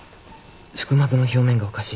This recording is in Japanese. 腹膜の表面がおかしい。